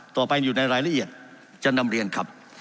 ต่อไปอยู่ในรายละเอียดจันทร์ดำเรียนครับ